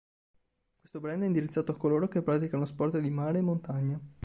Questo brand è indirizzato a coloro che praticano sport di mare e montagna.